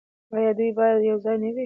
آیا دوی باید یوځای نه وي؟